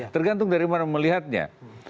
tergantung dari mana melihatnya